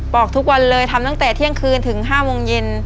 อกทุกวันเลยทำตั้งแต่เที่ยงคืนถึง๕โมงเย็น